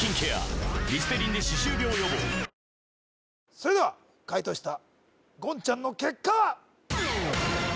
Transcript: それでは解答した言ちゃんの結果は？